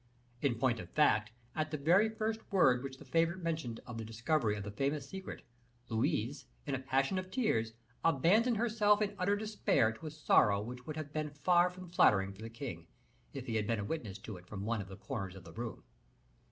In point of fact, at the very first word which the favorite mentioned of the discovery of the famous secret, Louise, in a passion of tears, abandoned herself in utter despair to a sorrow which would have been far from flattering for the king, if he had been a witness of it from one of the corners of the room.